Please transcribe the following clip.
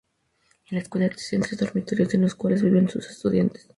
En la escuela existen tres dormitorios en los cuales viven sus estudiantes.